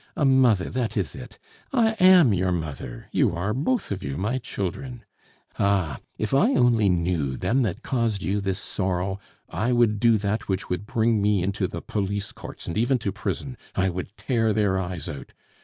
A mother, that is it! I am your mother; you are both of you my children.... Ah, if I only knew them that caused you this sorrow, I would do that which would bring me into the police courts, and even to prison; I would tear their eyes out!